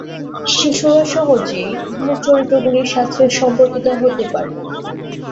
শিশুরা সহজেই মূল চরিত্রগুলির সাথে সম্পর্কিত হতে পারে।